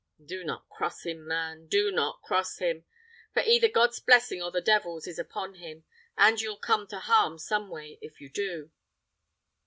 Do not cross him, man! do not cross him! for either God's blessing or the devil's is upon him, and you'll come to harm some way if you do!"